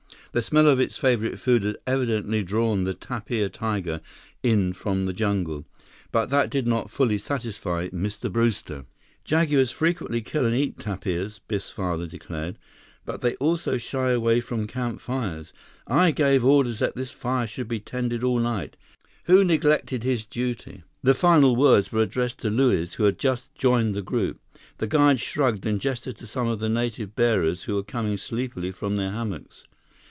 The smell of its favorite food had evidently drawn the "tapir tiger" in from the jungle. But that did not fully satisfy Mr. Brewster. "Jaguars frequently kill and eat tapirs," Biff's father declared, "but they also shy away from campfires. I gave orders that this fire should be tended all night. Who neglected his duty?" The final words were addressed to Luiz, who had just joined the group. The guide shrugged and gestured to some of the native bearers who were coming sleepily from their hammocks.